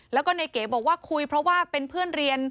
แล้วก็ในเก๋บอกว่าคุยเพราะว่าเป็นเพื่อนเรียน